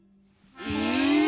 え！？